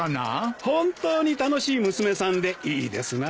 本当に楽しい娘さんでいいですな。